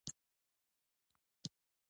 زماګوګل کي شوې ایساره لکه سره سکروټه